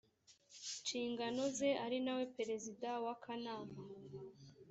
nshingano ze ari na we perezida w akanama